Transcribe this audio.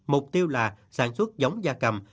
mục tiêu là sản xuất giống da cầm